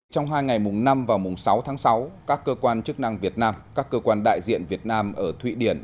trong hai ngày mùng năm và mùng sáu tháng sáu các cơ quan chức năng việt nam các cơ quan đại diện việt nam ở thụy điển